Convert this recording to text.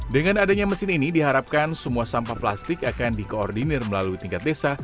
dengan adanya mesin ini diharapkan semua sampah plastik akan dikoordinir melalui tingkat desa